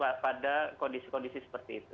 pada kondisi kondisi seperti itu